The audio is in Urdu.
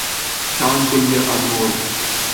شان کے لئے انمول